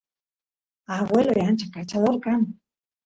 agueloy ancha kachador kan